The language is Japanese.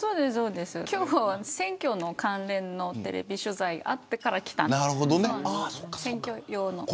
今日は選挙関連のテレビ取材があってから来たんです選挙用の。